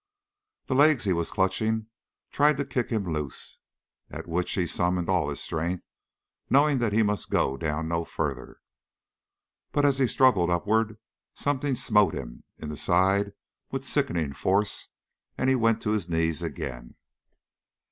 The legs he was clutching tried to kick him loose, at which he summoned all his strength, knowing that he must go down no further; but as he struggled upward, something smote him in the side with sickening force, and he went to his knees again.